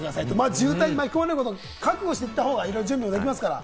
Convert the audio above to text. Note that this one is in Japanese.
渋滞に巻き込まれること覚悟して行った方が準備もできますから。